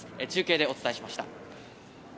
中継でお伝えしました。